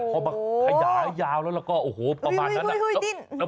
พอมาขยายยาวแล้วแล้วก็โอ้โหประมาณนั้น